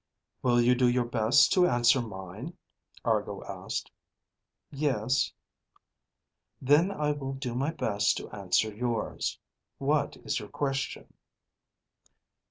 "Will you do your best to answer mine?" Argo asked. "Yes." "Then I will do my best to answer yours. What is your question?"